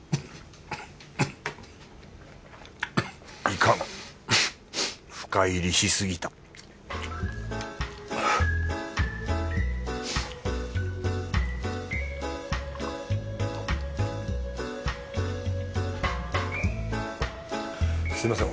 いかん深入りしすぎたすみません